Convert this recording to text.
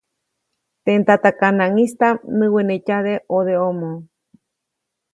Teʼ ndatakanaŋʼistaʼm näwenetyade ʼodeʼomo.